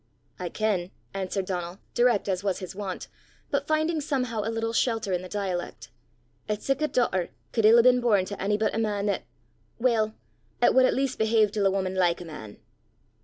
"I ken," answered Donal, direct as was his wont, but finding somehow a little shelter in the dialect, "'at sic a dauchter could ill hae been born to ony but a man 'at weel, 'at wad at least behave til a wuman like a man."